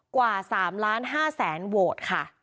กว่า๓๕๐๐๐๐๐โหวตค่ะ